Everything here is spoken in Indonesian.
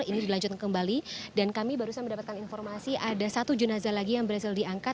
ini dilanjutkan kembali dan kami baru saja mendapatkan informasi ada satu jenazah lagi yang berhasil diangkat